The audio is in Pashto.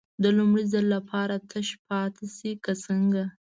د لومړي ځل لپاره تش پاتې شي که څنګه.